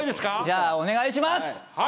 じゃあお願いします！